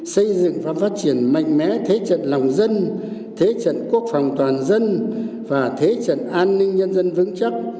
xây dựng và phát triển mạnh mẽ thế trận lòng dân thế trận quốc phòng toàn dân và thế trận an ninh nhân dân vững chắc